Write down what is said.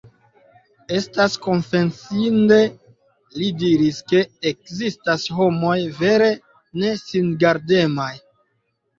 Estas konfesinde, li diris, ke ekzistas homoj vere nesingardemaj.